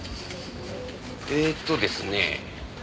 えーっとですね。